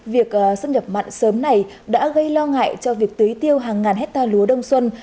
việc xâm nhập mặn sớm này đã gây lo ngại cho việc tưới tiêu hàng ngàn hectare lúa đông xuân